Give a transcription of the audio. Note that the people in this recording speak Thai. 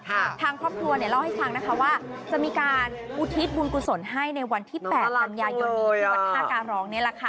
ทางครอบครัวเนี่ยเล่าให้ฟังนะคะว่าจะมีการอุทิศบุญกุศลให้ในวันที่แปดกันยายนนี้ที่วัดท่าการร้องนี่แหละค่ะ